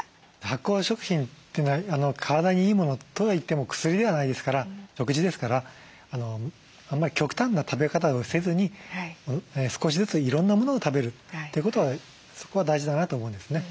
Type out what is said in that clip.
発酵食品って体にいいものとはいっても薬ではないですから食事ですからあんまり極端な食べ方をせずに少しずついろんなものを食べるということはそこは大事だなと思うんですね。